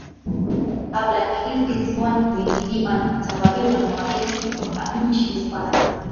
kabla ya Kilwa Kisiwani kuingiliwa na kutawaliwa na wageni kutoka nchi za mbali